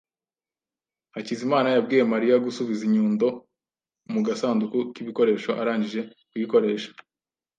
Hakizimana yabwiye Mariya gusubiza inyundo mu gasanduku k'ibikoresho arangije kuyikoresha.